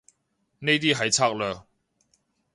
呢啲係策略